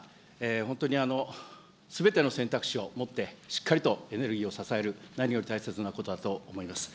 本当にすべての選択肢をもって、しっかりとエネルギーを支える、何より大切なことだと思います。